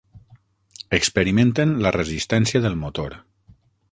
Experimenten la resistència del motor.